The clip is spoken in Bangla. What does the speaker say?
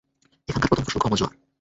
এখানকার প্রধান ফসল গম ও জোয়ার।